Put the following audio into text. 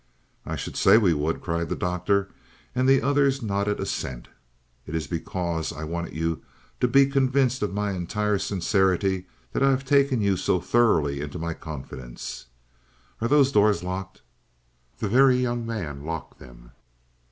"I should say we would," cried the Doctor, and the others nodded assent. "It is because I wanted you to be convinced of my entire sincerity that I have taken you so thoroughly into my confidence. Are those doors locked?" The Very Young Man locked them.